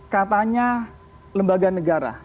katanya lembaga negara